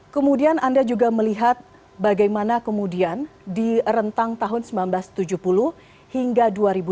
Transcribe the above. kemudian anda juga melihat bagaimana kemudian di rentang tahun seribu sembilan ratus tujuh puluh hingga dua ribu dua puluh